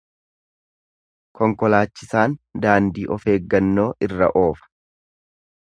Konkolaachisaan daandii of eeggannoo irra oofa.